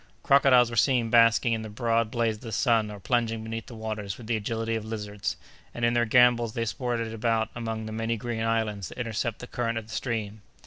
Crocodiles were seen basking in the broad blaze of the sun or plunging beneath the waters with the agility of lizards, and in their gambols they sported about among the many green islands that intercept the current of the stream.